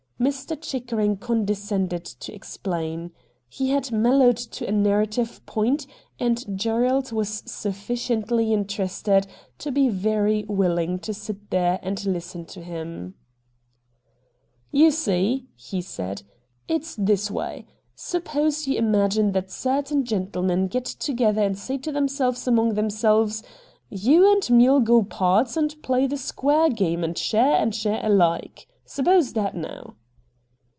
Mr. Chickering condescended to explain. He had mellowed A STRANGE STORY 6i to a narrative point and Gerald was sufficiently interested to be very willing to sit there and listen to him ' You see,' he said, ' it's this way. Sup pose you imagine that certain gentlemen get together and say to themselves among them selves, " You and me'U go pards and play the square game and share and share alike." Suppose that now.'